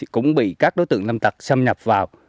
cũng bị các đối tượng lâm tặc xâm nhập vào